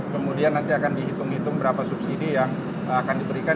kemudian nanti akan dihitung hitung berapa subsidi yang akan diberikan